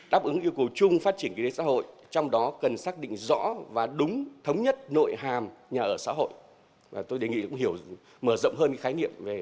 đáp ứng yêu cầu chung phát triển kinh tế xã hội trong đó cần xác định rõ và đúng thống nhất nội hàm nhà ở xã hội